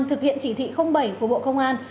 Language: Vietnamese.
thực hiện chỉ thị bảy của bộ công an